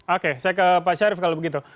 oke saya ke pak syarif kalau begitu